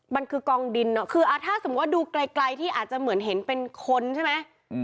มันคือกองดินคือถ้าสมมุติดูไกลที่อาจจะเหมือนเห็นเป็นคนใช่ไหม